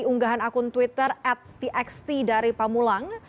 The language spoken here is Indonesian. unggahan akun twitter at txt dari pamulang